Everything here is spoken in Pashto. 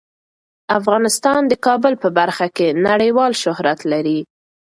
افغانستان د کابل په برخه کې نړیوال شهرت لري.